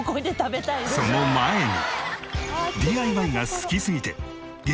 その前に。